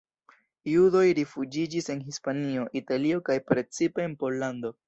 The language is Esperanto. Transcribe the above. Judoj rifuĝiĝis en Hispanio, Italio kaj precipe en Pollando.